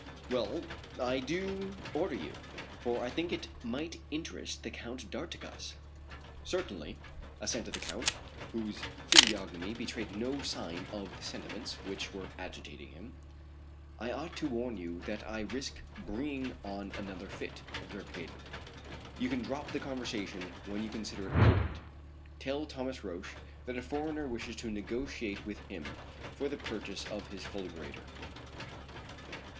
"Well, I do order you, for I think it might interest the Count d'Artigas." "Certainly," assented the Count, whose physiognomy betrayed no sign of the sentiments which were agitating him. "I ought to warn you that I risk bringing on another fit," observed Gaydon. "You can drop the conversation when you consider it prudent. Tell Thomas Roch that a foreigner wishes to negotiate with him for the purchase of his fulgurator."